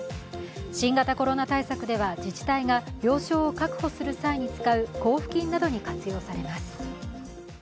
新型コロナ対策では自治体が病床を確保する際に使う交付金などに活用されます。